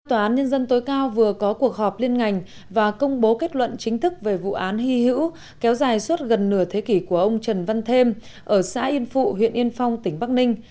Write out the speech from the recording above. tòa án nhân dân tối cao vừa có cuộc họp liên ngành và công bố kết luận chính thức về vụ án hy hữu kéo dài suốt gần nửa thế kỷ của ông trần văn thêm ở xã yên phụ huyện yên phong tỉnh bắc ninh